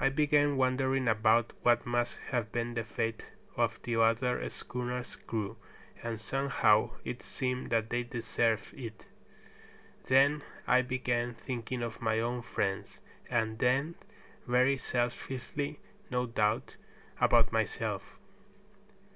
I began wondering about what must have been the fate of the other schooner's crew, and somehow it seemed that they deserved it. Then I began thinking of my own friends, and then, very selfishly no doubt, about myself.